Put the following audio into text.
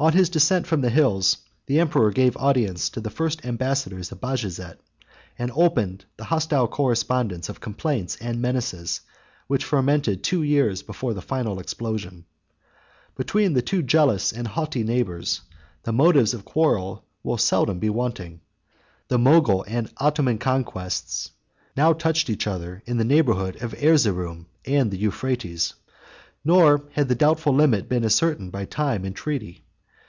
On his descent from the hills, the emperor gave audience to the first ambassadors of Bajazet, and opened the hostile correspondence of complaints and menaces, which fermented two years before the final explosion. Between two jealous and haughty neighbors, the motives of quarrel will seldom be wanting. The Mogul and Ottoman conquests now touched each other in the neighborhood of Erzeroum, and the Euphrates; nor had the doubtful limit been ascertained by time and treaty.